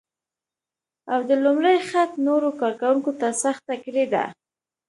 او د لومړي خط نورو کار کونکو ته سخته کړې ده